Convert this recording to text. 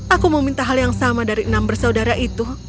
aku meminta hal yang sama dari enam bersaudara itu